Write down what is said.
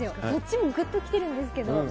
どっちもぐっときてるんですけど。